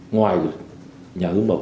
ngoài nhà hương mẩu